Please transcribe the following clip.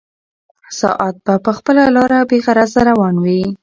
ساعت به په خپله لاره بېغرضه روان وي.